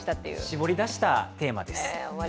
絞り出したテーマです。